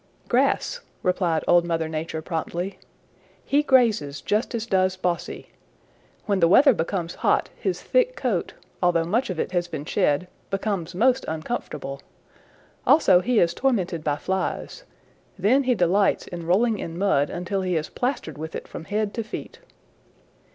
"Grass," replied Old Mother Nature promptly. "He grazes just as does Bossy. When the weather becomes hot his thick coat, although much of it has been shed, becomes most uncomfortable. Also he is tormented by flies. Then he delights in rolling in mud until he is plastered with it from head to feet.